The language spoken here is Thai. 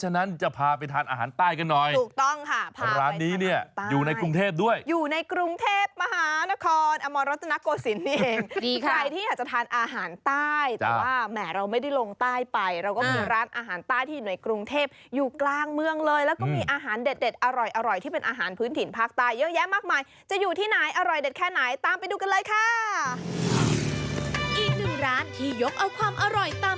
เนี่ยเมื่อกี้พวกพูดถึงภาษาใต้ใช่ไหม